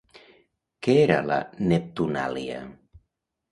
Què era la Neptunàlia?